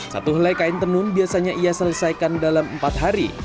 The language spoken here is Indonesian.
satu helai kain tenun biasanya ia selesaikan dalam empat hari